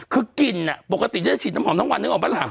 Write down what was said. คือกลิ่นน่ะปกติฉันจะฉีดน้ำหอมทั้งวันฉันก็ออกมาหลัง